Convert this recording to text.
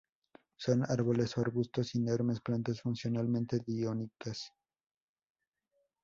Son árboles o arbustos, inermes; plantas funcionalmente dioicas.